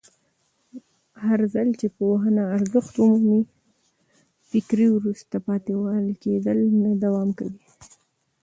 هرځل چې پوهنه ارزښت ومومي، فکري وروسته پاتې کېدل نه دوام کوي.